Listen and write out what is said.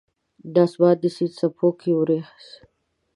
د اسمان د سیند څپو کې اوریځ